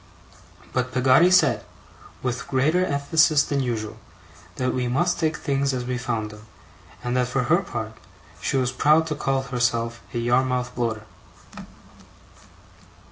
But Peggotty said, with greater emphasis than usual, that we must take things as we found them, and that, for her part, she was proud to call herself a Yarmouth Bloater.